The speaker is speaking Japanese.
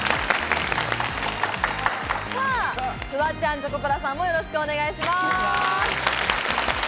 フワちゃん、チョコプラさんもよろしくお願いします。